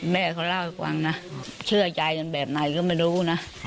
แม่เขาเล่าให้ฟังนะเชื่อยายกันแบบไหนก็ไม่รู้นะ